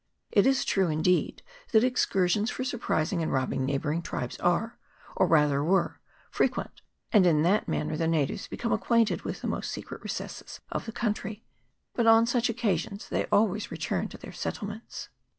It is true, indeed, that excursions for surprising and robbing neigh CHAP. III.] THE ER1TONGA. 87 bouring tribes are, or rather were, frequent ; and in that manner the natives become acquainted with the most secret recesses of the country : but on such occasions they always return to their settlements.